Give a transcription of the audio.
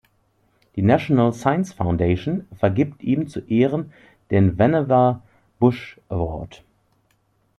Die National Science Foundation vergibt ihm zu Ehren den Vannevar Bush Award.